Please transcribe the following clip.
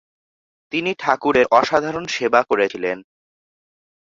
তিনি ঠাকুরের অসাধারণ সেবা করেছিলেন।